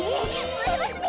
もえますね！